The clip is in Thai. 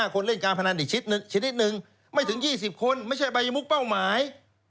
คนเล่นการพนันอีกชนิดหนึ่งไม่ถึง๒๐คนไม่ใช่ใบมุกเป้าหมาย